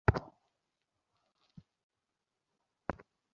কথা বলার জায়গার তো অভাব নেই।